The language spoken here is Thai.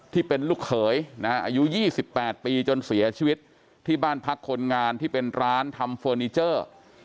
ที่เป็นลูกเขยนะฮะอายุ๒๘ปีจนเสียชีวิตที่บ้านพักคนงานที่เป็นร้านทำเฟอร์นิเจอร์